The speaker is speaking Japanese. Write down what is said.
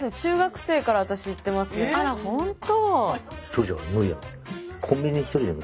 あら本当。